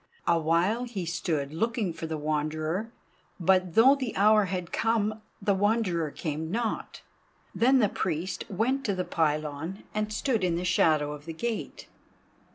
Awhile he stood looking for the Wanderer, but though the hour had come, the Wanderer came not. Then the Priest went to the pylon and stood in the shadow of the gate.